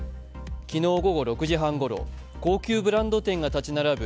昨日午後６時半ごろ、高級ブランド店が立ち並ぶ